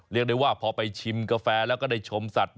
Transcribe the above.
เรียกได้ว่าพอไปชิมกาแฟแล้วก็ได้ชมสัตว์